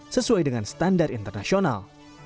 sesuai dengan standar internasional